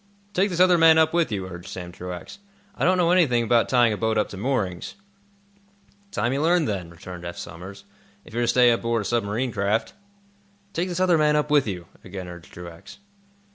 "Take this other man up with you," urged Sam Truax. "I don't know anything about tying a boat up to moorings." "Time you learned, then," returned Eph Somers, "if you're to stay aboard a submarine craft." "Take this other man up with you," again urged Truax.